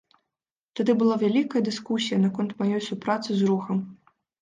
Тады была вялікая дыскусія наконт маёй супрацы з рухам.